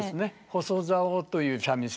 細棹という三味線で。